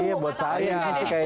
iya buat saya sih kayak